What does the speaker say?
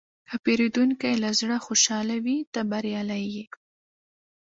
که پیرودونکی له زړه خوشحاله وي، ته بریالی یې.